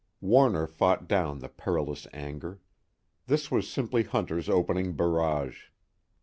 Warner fought down the perilous anger. This was simply Hunter's opening barrage.